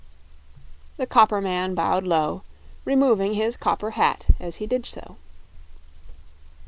The copper man bowed low, removing his copper hat as he did so.